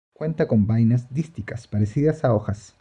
Cuenta con vainas dísticas parecidas a hojas.